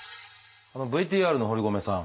ＶＴＲの堀米さん